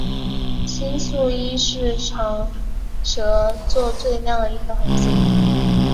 星宿一是长蛇座最亮的一颗恒星。